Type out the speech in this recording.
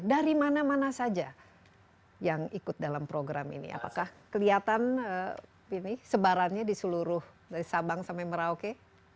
dari mana mana saja yang ikut dalam program ini apakah kelihatan ini sebarannya di seluruh dari sabang sampai merauke